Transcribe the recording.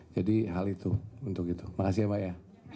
jadi hal itu untuk itu makasih ya mbak ya